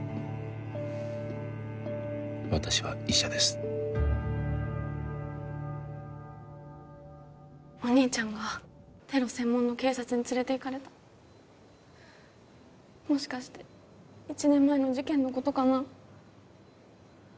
私は医者ですお兄ちゃんがテロ専門の警察に連れていかれたもしかして一年前の事件のことかな？